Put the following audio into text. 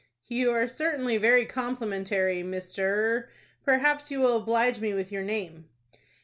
"You are certainly very complimentary, Mr.——; perhaps you will oblige me with your name."